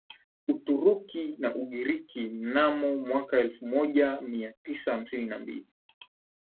Uturuki na Ugiriki Mnamo mwaka wa elfumoja miatisa hamsini na mbili